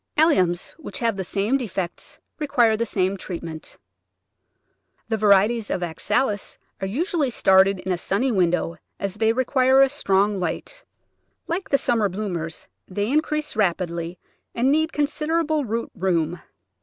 Alliums, which have the same defects, require the same treatment. Digitized by Google Seventeen] Cft* €Mt Of Bulfr* '95 The varieties of Oxalis are usually started in a sunny window, as they require a strong light. Like the summer bloomers, they increase rapidly and need considerable root room.